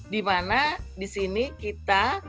di mana disini kita